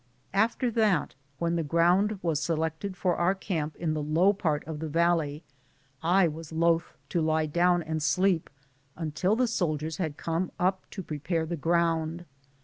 After that, when the ground was selected for our camp in the low part of the valley, I was loath to lie down and sleep until tlie soldiers had come up to prepare the ground.